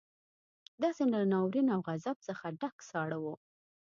داسې له ناورين او غضب څخه ډک ساړه وو.